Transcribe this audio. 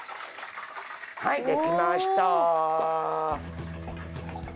はい出来ました。